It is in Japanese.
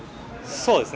そうですね。